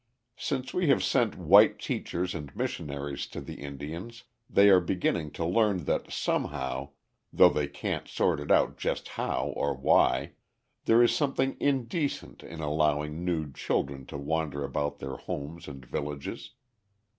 Since we have sent white teachers and missionaries to the Indians, they are beginning to learn that somehow though they can't sort it out just how or why there is something indecent in allowing nude children to wander about their homes and villages.